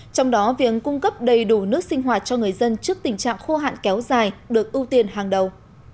trong đó việc cung cấp đầy đủ nước sinh hoạt cho người dân trước tình trạng khô hạn kéo dài được ưu tiên hàng đầu